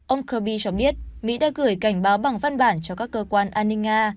ông kirby cho biết mỹ đã gửi cảnh báo bằng văn bản cho các cơ quan an ninh nga